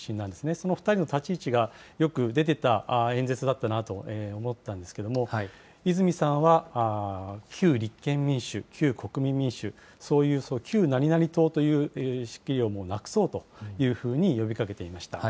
その２人の立ち位置がよく出てた演説だったなと思ったんですけれども、泉さんは旧立憲民主、旧国民民主、そういう、旧何々党という仕切りをもうなくそうというふうに呼びかけていました。